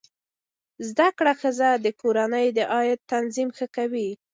زده کړه ښځه د کورنۍ د عاید تنظیم ښه کوي.